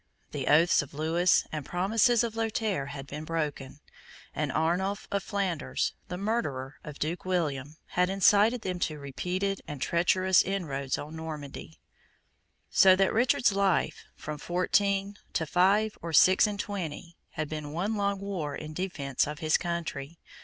The oaths of Louis, and promises of Lothaire, had been broken; and Arnulf of Flanders, the murderer of Duke William, had incited them to repeated and treacherous inroads on Normandy; so that Richard's life, from fourteen to five or six and twenty, had been one long war in defence of his country.